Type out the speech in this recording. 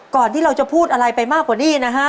ที่เราจะพูดอะไรไปมากกว่านี้นะฮะ